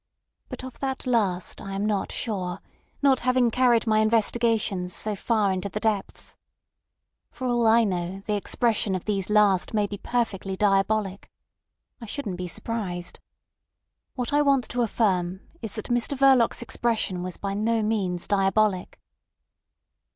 But of that last I am not sure, not having carried my investigations so far into the depths. For all I know, the expression of these last may be perfectly diabolic. I shouldn't be surprised. What I want to affirm is that Mr Verloc's expression was by no means diabolic.